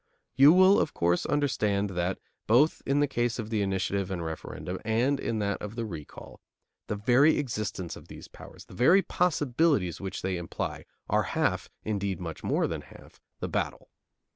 You will of course understand that, both in the case of the initiative and referendum and in that of the recall, the very existence of these powers, the very possibilities which they imply, are half, indeed, much more than half, the battle.